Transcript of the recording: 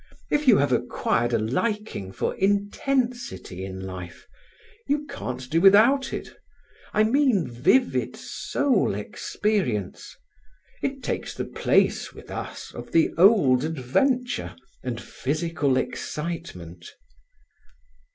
If you have acquired a liking for intensity in life, you can't do without it. I mean vivid soul experience. It takes the place, with us, of the old adventure, and physical excitement."